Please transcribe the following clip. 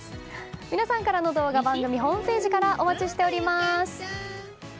皆さんからの動画番組ホームページからお待ちしております。